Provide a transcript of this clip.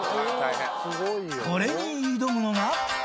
これに挑むのが。